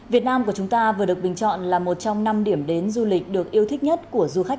việt nam của chúng ta vừa được bình chọn là một trong năm điểm đến du lịch được yêu thích nhất của du khách